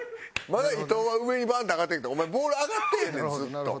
まだ伊藤は上にバーンって上がってるけどお前ボール上がってへんねんずっと。